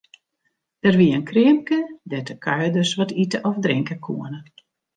Der wie in kreamke dêr't de kuierders wat ite of drinke koene.